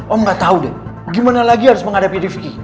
om nggak tahu deh gimana lagi harus menghadapi rifqi